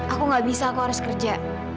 aku gak bisa aku harus kerja